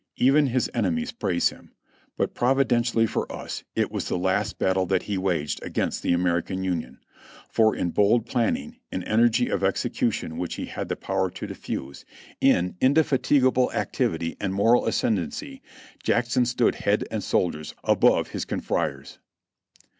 Even his enemies praise him ; but providentially for us, it was the last battle that he waged against the American Union. For in bold planning, in energy of execution which he had the power to diffuse, in indefatigable activity and moral ascendency, Jackson stood head and shoulders above his confreres."